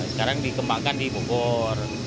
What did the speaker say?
sekarang dikembangkan di bogor